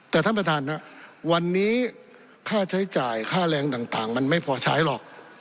แต่ท่านประธานวันนี้ค่าใช้จ่ายค่าแรงต่างมันไม่พอใช้หรอก